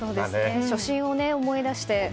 初心を思い出して。